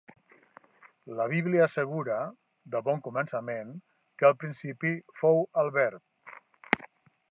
La Bíblia assegura, de bon començament, que al principi fou el verb.